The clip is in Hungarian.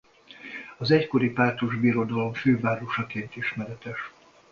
Az egykori Pártus Birodalom fővárosaként ismeretes.